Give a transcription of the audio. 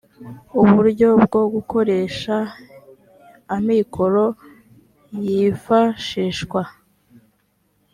uburyo bwo gukoresha amikoro yifashishwa